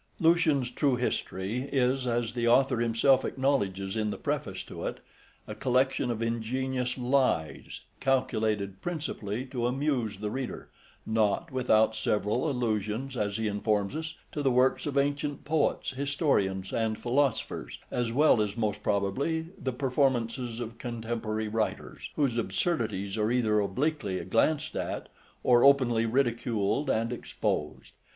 Lucian's True History is, as the author himself acknowledges in the Preface to it, a collection of ingenious lies, calculated principally to amuse the reader, not without several allusions, as he informs us, to the works of ancient Poets, Historians, and Philosophers, as well as, most probably, the performances of contemporary writers, whose absurdities are either obliquely glanced at, or openly ridiculed and exposed.